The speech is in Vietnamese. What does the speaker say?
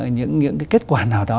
những cái kết quả nào đó